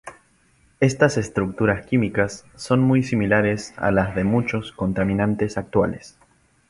Estas estructuras químicas son muy similares a las de muchos contaminantes actuales.